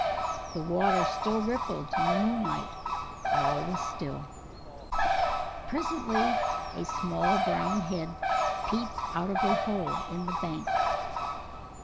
The water still rippled in the moonlight; all was still. Presently a small brown head peeped out of a hole in the bank.